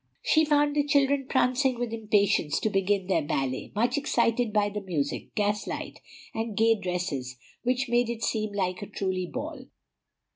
She found the children prancing with impatience to begin their ballet, much excited by the music, gaslight, and gay dresses, which made it seem like "a truly ball."